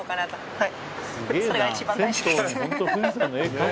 はい。